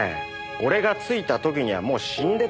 俺が着いた時にはもう死んでたの。